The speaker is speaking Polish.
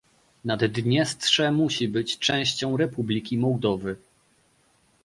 Naddniestrze musi być częścią Republiki Mołdowy